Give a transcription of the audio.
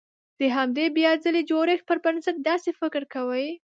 د همدې بيا ځلې جوړښت پر بنسټ داسې فکر کوي.